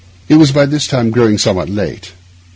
It was by this time growing somewhat late.